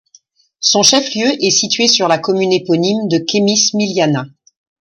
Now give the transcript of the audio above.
Son chef-lieu est situé sur la commune éponyme de Khemis Miliana.